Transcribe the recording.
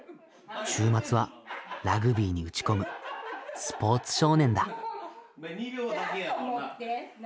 週末はラグビーに打ち込むスポーツ少年だ。